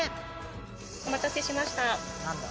お待たせしました。